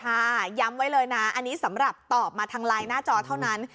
ย้ำไว้เลยนะอันนี้สำหรับตอบมาทางไลน์หน้าจอเท่านั้น